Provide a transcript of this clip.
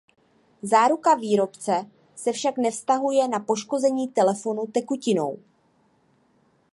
Záruka výrobce se však nevztahuje na poškození telefonu tekutinou.